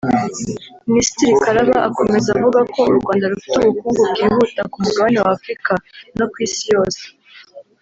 Minisitiri Kalaba akomeza avuga ko u Rwanda rufite ubukungu bwihuta ku mugabane w’Afurika no ku isi yose